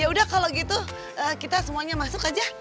ya udah kalau gitu kita semuanya masuk aja